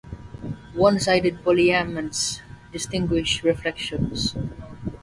One-sided polyiamonds distinguish reflections.